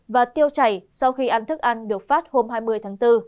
và tiêu chảy sau khi ăn thức ăn được phát hôm hai mươi tháng bốn